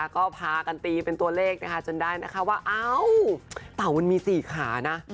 ก็พากันตีเป็นตัวเลขนะคะจนได้นะคะว่าเอ้าเต่ามันมี๔ขานะ